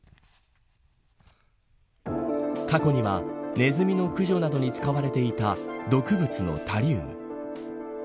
過去には、ネズミの駆除などに使われていた毒物のタリウム。